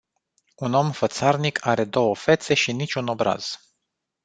Un om fățarnic are două fețe și nici un obraz.